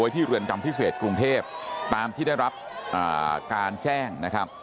ที่เรือนจำพิเศษกรุงเทพตามที่ได้รับการแจ้งนะครับ